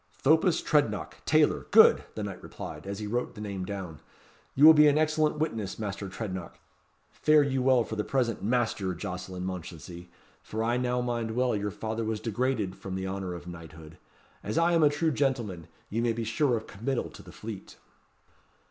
"Thopas Trednock, tailor good!" the knight repeated, as he wrote the name down. "You will be an excellent witness, Master Trednock. Fare you well for the present, Master Jocelyn Mounchensey, for I now mind well your father was degraded from the honour of knighthood. As I am a true gentleman! you may be sure of committal to the Fleet."